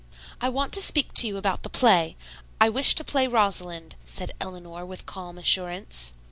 "I want to speak to you about the play. I wish to play Rosalind," said Eleanor with calm assurance.